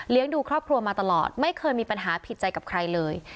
ดูครอบครัวมาตลอดไม่เคยมีปัญหาผิดใจกับใครเลย